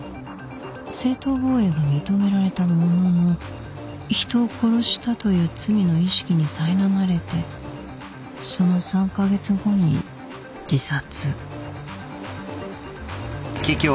正当防衛が認められたものの人を殺したという罪の意識にさいなまれてその３カ月後に自殺